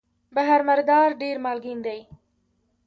بحر مردار ډېر مالګین دی.